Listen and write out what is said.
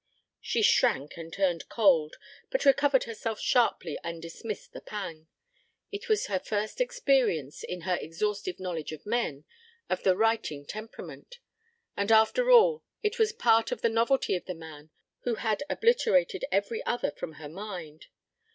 She shrank and turned cold, but recovered herself sharply and dismissed the pang. It was her first experience, in her exhaustive knowledge of men, of the writing temperament; and after all it was part of the novelty of the man who had obliterated every other from her mind.